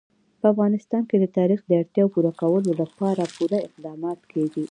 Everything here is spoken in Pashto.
په افغانستان کې د تاریخ د اړتیاوو پوره کولو لپاره پوره اقدامات کېږي.